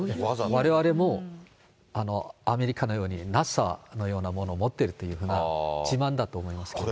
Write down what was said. われわれもアメリカのようにＮＡＳＡのようなものを持ってるというふうな自慢だと思いますけどね。